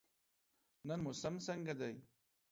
نن موسم څنګه دی؟